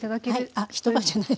あっ一晩じゃない。